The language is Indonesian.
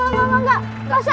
enggak enggak enggak enggak